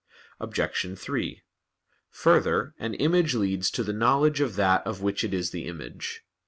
Obj. 3: Further, an image leads to the knowledge of that of which it is the image.